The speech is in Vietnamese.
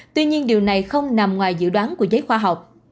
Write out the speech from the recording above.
tuy nhiên điều này không nằm ngoài dự đoán của giới khoa học